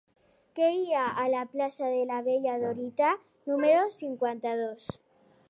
Què hi ha a la plaça de la Bella Dorita número cinquanta-dos?